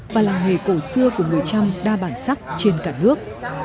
và làng nghề cổ xưa của người trăm đa bản sắc trên cả nước